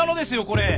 これ。